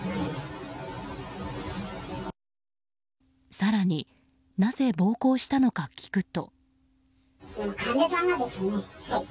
更になぜ暴行したのか聞くと。